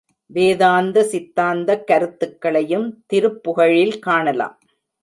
வேதாந்த சித்தாந்தக் கருத்துக்களையும் திருப்புகழில் காணலாம்.